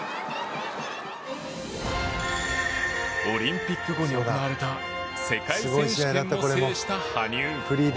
オリンピック後に行われた世界選手権も制した羽生。